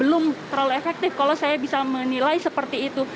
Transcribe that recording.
belum terlalu efektif kalau saya bisa menilai seperti itu